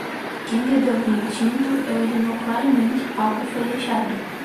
Quem bebeu vinho tinto e urinou claramente, algo foi deixado.